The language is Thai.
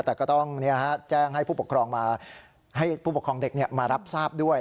แต่ก็ต้องแจ้งให้ผู้ปกครองมาให้ผู้ปกครองเด็กมารับทราบด้วย